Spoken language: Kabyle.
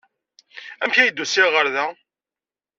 Amek ay d-usiɣ ɣer da?